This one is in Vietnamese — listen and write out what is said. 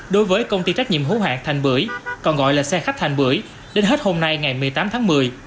đối với công ty trách nhiệm hữu hạng thành bưởi còn gọi là xe khách thành bưởi đến hết hôm nay ngày một mươi tám tháng một mươi